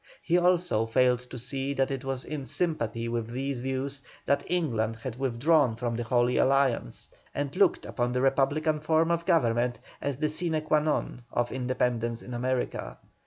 He also failed to see that it was in sympathy with these views that England had withdrawn from the Holy Alliance, and looked upon the republican form of government as the sine quâ non of independence in America.